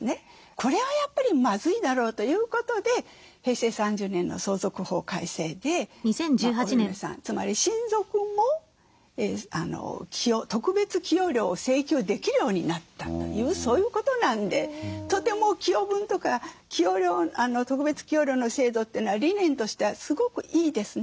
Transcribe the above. これはやっぱりまずいだろうということで平成３０年の相続法改正でお嫁さんつまり親族も特別寄与料を請求できるようになったというそういうことなんでとても寄与分とか特別寄与料の制度というのは理念としてはすごくいいですね。